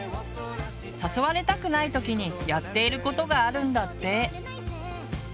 誘われたくない時にやっていることがあるんだって。